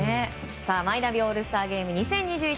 マイナビオールスターゲーム２０２１